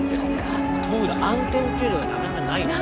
暗転っていうのがなかなかないの。